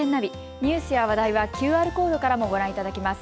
ニュースや話題はＱＲコードからもご覧いただけます。